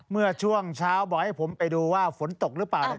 เมื่อช่วงเช้าบอกให้ผมไปดูว่าฝนตกหรือเปล่า